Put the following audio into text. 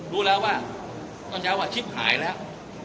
รู้แล้วว่าต้องใช้ว่าชิปหายแล้ว